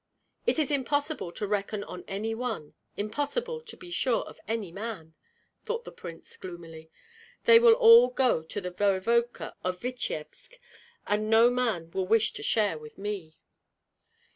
"It is impossible to reckon on any one, impossible to be sure of any man," thought the prince, gloomily. "They will all go to the voevoda of Vityebsk, and no man will wish to share with me."